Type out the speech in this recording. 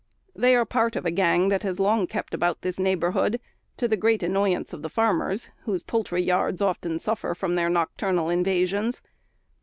They are part of a gang that has long kept about this neighbourhood, to the great annoyance of the farmers, whose poultry yards often suffer from their nocturnal invasions.